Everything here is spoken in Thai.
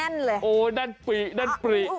อืมแน่นเลยโอ๊ยนั่นปี๊นั่นปี๊